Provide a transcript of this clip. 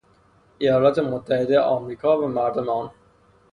ایالات متحده امریکا و مردم آن